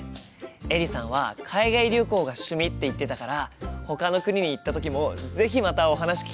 エリさんは海外旅行が趣味って言ってたからほかの国に行った時も是非またお話聞きたいね。